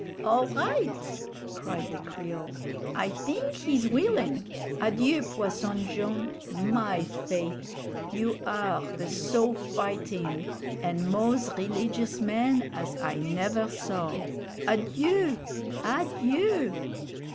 "All right!" cried the Creole; "I thing he's willin'. Adieu, Posson Jone'. My faith'! you are the so fighting an' moz rilligious man as I never saw! Adieu! Adieu!"